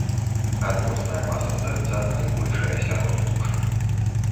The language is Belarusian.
Адносная маса сэрца найбольшая сярод птушак.